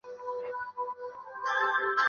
子实层体由菌管及萌发孔而非菌褶构成。